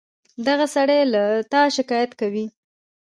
دغه سړى له تا شکايت کوي.